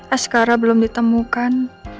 eskara belum ditemukan